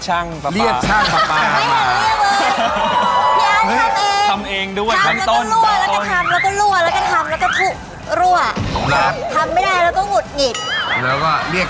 โชคความแม่นแทนนุ่มในศึกที่๒กันแล้วล่ะครับ